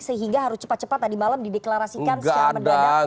sehingga harus cepat cepat tadi malam dideklarasikan